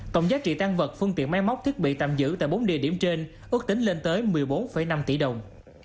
tổng giá trị tan vật phương tiện máy móc thiết bị tạm giữ tại bốn địa điểm trên ước tính lên tới một mươi bốn năm tỷ đồng